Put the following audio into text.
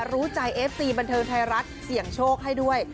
รู้ใจเอฟซีบันเทิงไทยรัฐเสี่ยงโชคให้ด้วย